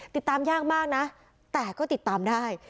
ติดตามยากมากนะแต่ก็ติดตามได้